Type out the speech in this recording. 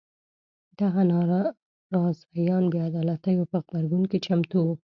دغه ناراضیان بې عدالیتو په غبرګون کې چمتو وو.